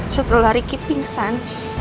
setelah ricky pingsan